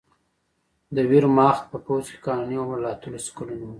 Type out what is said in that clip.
د ویرماخت په پوځ کې قانوني عمر له اتلسو کلونو و